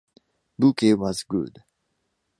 Bouquet was good.